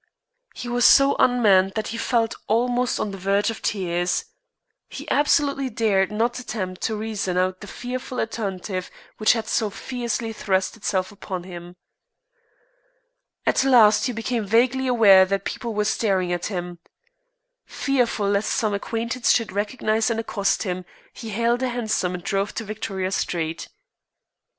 He was so unmanned that he felt almost on the verge of tears. He absolutely dared not attempt to reason out the fearful alternative which had so fiercely thrust itself upon him. At last he became vaguely aware that people were staring at him. Fearful lest some acquaintance should recognize and accost him he hailed a hansom and drove to Victoria Street.